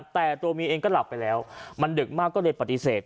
แต่ตัวเมียเองก็หลับไปแล้วมันดึกมากก็เลยปฏิเสธ